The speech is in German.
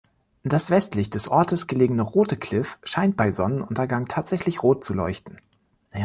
Das westlich des Ortes gelegene Rote Kliff scheint bei Sonnenuntergang tatsächlich rot zu leuchten.